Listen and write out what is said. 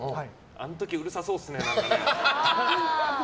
あの時うるさそうっすね。